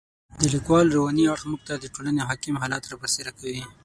د لیکوال رواني اړخ موږ ته د ټولنې حاکم حالات را برسېره کوي.